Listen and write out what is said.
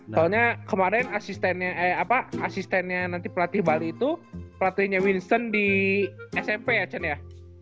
soalnya kemarin asistennya eh apa asistennya nanti pelatih bali itu pelatihnya winston di smp ya cen ya